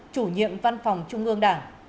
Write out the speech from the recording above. chủ nhiệm văn phòng trung ương đảng